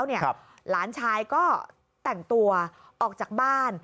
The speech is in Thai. หลานชายก็แต่งตัวออกจากบ้าน